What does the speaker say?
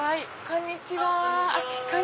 こんにちは！